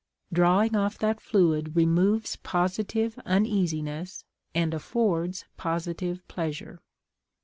Drawing off that fluid removes positive uneasiness and affords positive pleasure.